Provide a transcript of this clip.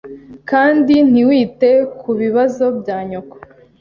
kandi ntiwite kubibazo bya nyoko.